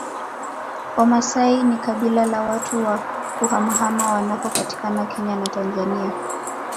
Wamasai ni kabila la watu wa kuhamahama wanaopatikana Kenya na Tanzania